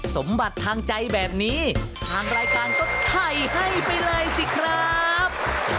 สมบัติทางใจแบบนี้ทางรายการก็ถ่ายให้ไปเลยสิครับ